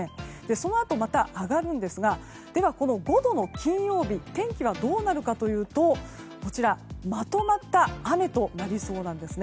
そのあと、また上がるんですがでは５度の金曜日天気はどうなるかというとまとまった雨となりそうです。